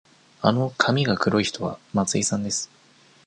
あの髪が黒い人は松井さんです。